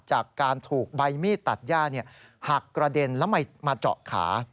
จากการถูกใบมีดตัดย่าหักกระเด็นแล้วมาเจาะขา